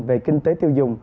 về kinh tế tiêu dùng